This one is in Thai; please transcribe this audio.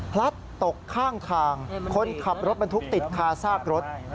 พลัดตกข้างทางคนขับรถบรรทุกติดคาซากรถ